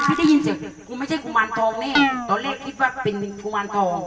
พี่ได้ยินสิกูไม่ใช่กุมารทองเนี่ยตอนเล็กคิดว่าเป็นกุมารทอง